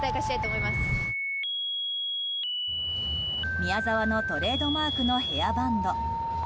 宮澤のトレードマークのヘアバンド。